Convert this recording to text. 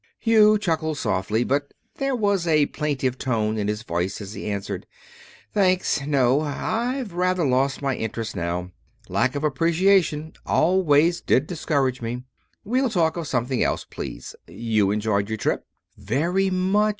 Hugh chuckled softly; but there was a plaintive tone in his voice as he answered. "Thanks, no. I've rather lost my interest now. Lack of appreciation always did discourage me. We'll talk of something else, please. You enjoyed your trip?" "Very much.